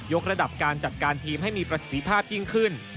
กระดับการจัดการทีมให้มีประสิทธิภาพยิ่งขึ้น